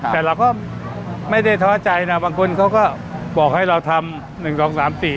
แต่เราก็ไม่ได้ท้อใจนะบางคนเขาก็บอกให้เราทำ๑๒๓๔อะไร